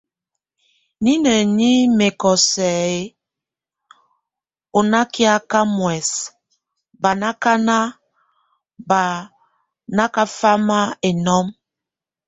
Nineni mɛkɔ sɛk ɛ̂, o nákiaka muɛs ba nakan, bá nakafam enɔm.